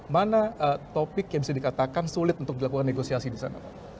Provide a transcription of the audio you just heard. mana topik yang bisa dikatakan sulit untuk dilakukan negosiasi di sana